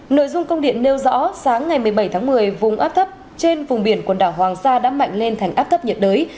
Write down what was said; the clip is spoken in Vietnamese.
nội dung công điện nêu rõ sáng ngày một mươi bảy tháng một mươi vùng áp thấp trên vùng biển quần đảo hoàng sa đã mạnh lên thành áp thấp nhiệt đới